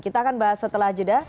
kita akan bahas setelah jeda